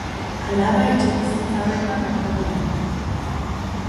Alaba etxebizitza bertan artatu dute.